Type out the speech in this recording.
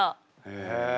へえ。